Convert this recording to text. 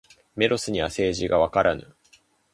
メロスには政治がわからぬ。